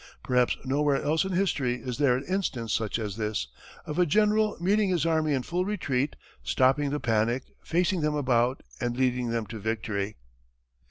Perhaps nowhere else in history is there an instance such as this of a general meeting his army in full retreat, stopping the panic, facing them about, and leading them to victory.